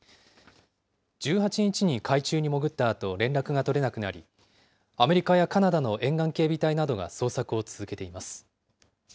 １８日に海中に潜ったあと連絡が取れなくなり、アメリカやカナダの沿岸警備隊などが捜索を続けています。